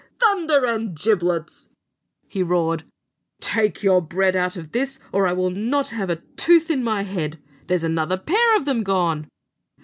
"Thunder and giblets!" he roared, "take your bread out of this, or I will not have a tooth in my head; there's another pair of them gone!"